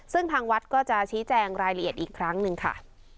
ซึ่งทางวัดก็จะชี้แจงรายละเอียดอีกครั้งหนึ่งค่ะ